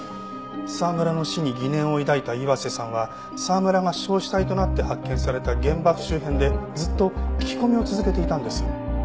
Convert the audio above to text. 沢村の死に疑念を抱いた岩瀬さんは沢村が焼死体となって発見された現場周辺でずっと聞き込みを続けていたんです。